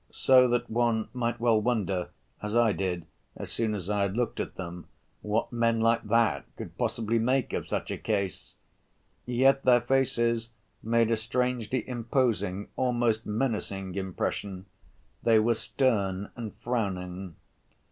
So that one might well wonder, as I did as soon as I had looked at them, "what men like that could possibly make of such a case?" Yet their faces made a strangely imposing, almost menacing, impression; they were stern and frowning.